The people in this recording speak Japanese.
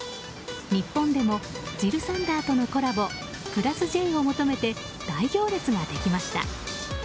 日本でもジルサンダーとのコラボ＋Ｊを求めて大行列ができました。